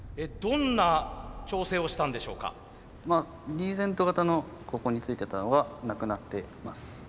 リーゼント形のここについてたのがなくなってます。